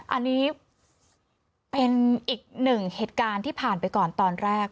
อันนี้เป็นอีกหนึ่งเหตุการณ์ที่ผ่านไปก่อนตอนแรก